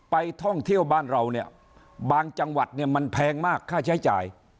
ไปท่องเที่ยวบ้านเราเนี่ยบางจังหวัดเนี่ยมันแพงมากค่าใช้จ่าย